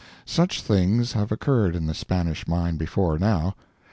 Such things have occurred in the Spanish mine before now.